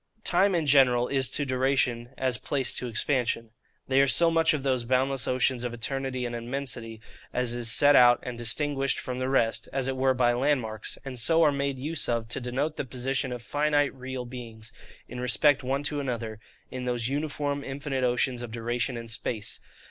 Time in general is to duration as place to expansion. They are so much of those boundless oceans of eternity and immensity as is set out and distinguished from the rest, as it were by landmarks; and so are made use of to denote the position of FINITE real beings, in respect one to another, in those uniform infinite oceans of duration and space.